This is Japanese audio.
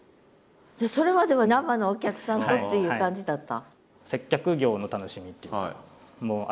じゃあそれまでは生のお客さんとっていう感じだった？